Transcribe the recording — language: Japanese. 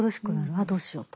ああどうしようと。